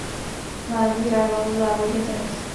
V mládí hrával závodně tenis.